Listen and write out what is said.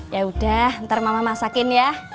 yaudah ntar mama masakin ya